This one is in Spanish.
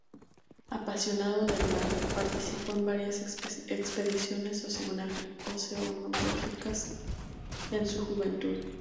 Apasionado del mar, participó en varias expediciones oceanográficas en su juventud.